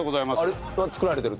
あれは作られてる？